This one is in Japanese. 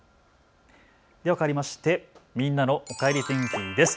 ではかわりましてみんなのおかえり天気です。